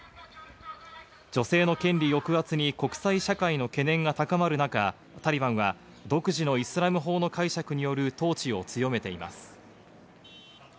女性の権利抑圧に国際社会の懸念が高まる中、タリバンは独自のイスラム法の解釈による統治を強めています。